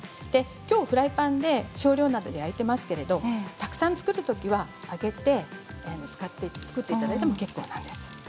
きょうフライパンで少量なので焼いていますけれどもたくさん作るときは、揚げて作っていただいても結構なんです。